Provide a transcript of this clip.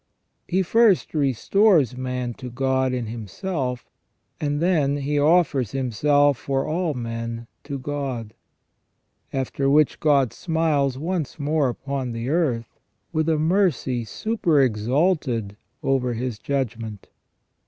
He first restores man to God in Himself, and then He offers Himself for all men to God ; after which God smiles once more upon the earth with a mercy super exalted over His judgment.